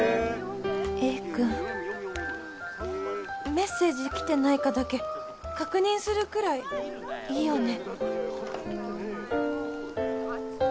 メッセージ来てないかだけ確認するくらいいいよね